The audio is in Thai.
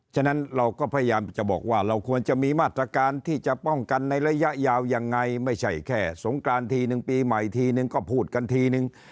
ฉะนั้นเราก็พยายามจะบอกว่าเราควรจะมีมาตรการที่จะป้องกันในระยะยาวยังไงไม่ใช่แค่สงกรานทีนึงปีใหม่ทีนึงก็พูดกันทีนึง